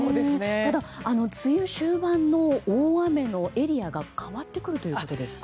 ただ、梅雨終盤の大雨のエリアが変わってくるということですか。